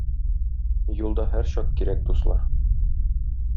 Юлда һәрчак кирәк дуслар.